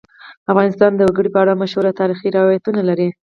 افغانستان د وګړي په اړه مشهور تاریخی روایتونه لري.